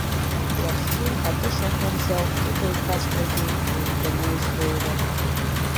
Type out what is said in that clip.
Лахьхьи, атыша аҟынӡа убаҩқәаҵәҟьагьы еибганы излеиуам.